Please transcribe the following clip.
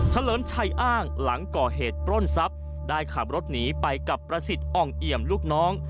เลิมชัยอ้างหลังก่อเหตุปล้นทรัพย์ได้ขับรถหนีไปกับประสิทธิ์อ่องเอี่ยมลูกน้อง